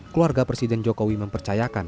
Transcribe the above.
keluarga presiden jokowi mempercayakan